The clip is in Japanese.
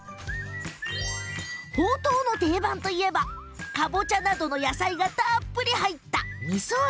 ほうとうの定番といえばかぼちゃなどの野菜がたっぷり入った、みそ味。